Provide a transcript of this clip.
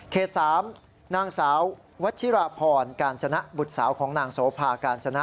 ๓นางสาววัชิราพรการชนะบุตรสาวของนางโสภากาญจนะ